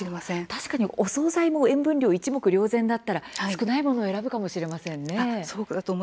確かにお総菜も塩分量が一目瞭然だったら買うかもしれませんね。